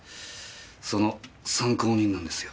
その参考人なんですよ。